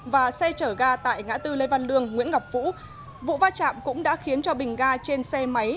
và xe chở ga tại ngã tư lê văn lương nguyễn ngọc vũ vụ va chạm cũng đã khiến cho bình ga trên xe máy